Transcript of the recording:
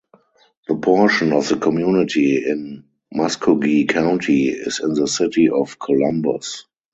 The portion of the community in Muscogee County is in the city of Columbus.